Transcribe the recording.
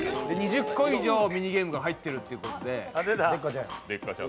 ２０個以上ミニゲームが入ってるということで。